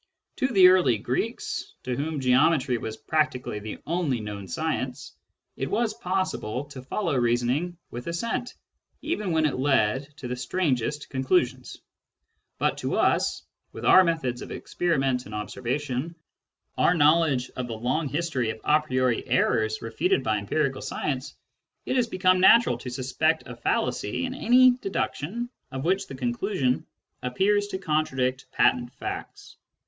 To the early Greeks, to whom geometry was practically the only known science, it was possible to follow reasoning with assent even when it led to the strangest conclusions. But to us, with our methods of experiment and observa tion, our knowledge of the long history of a priori errors refuted by empirical science, it has become natural to suspect a fallacy in any deduction of which the conclusion appears to contradict patent facts.